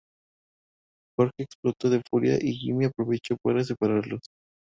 Jorgen explota de furia y Jimmy aprovecha para separarlos.